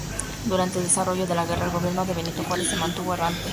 Durante el desarrollo de la guerra, el gobierno de Benito Juárez se mantuvo errante.